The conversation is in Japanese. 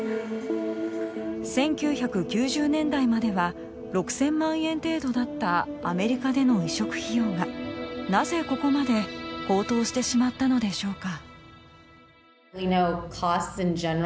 １９９０年代までは６０００万円程度だったアメリカでの移植費用がなぜここまで高騰してしまったのでしょうか？